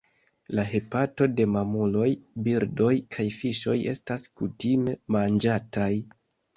La hepato de mamuloj, birdoj kaj fiŝoj estas kutime manĝataj.